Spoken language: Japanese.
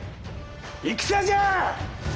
戦じゃ！